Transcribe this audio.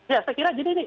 ya saya kira jadi ini